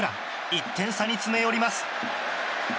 １点差に詰め寄ります。